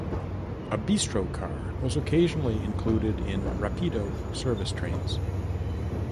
A "bistro" car was occasionally included in "Rapido" service trains.